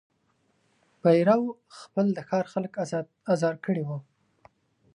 پیرو خپل د ښار خلک آزار کړي وه.